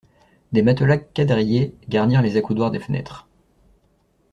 Des matelas quadrillés garnirent les accoudoirs des fenêtres.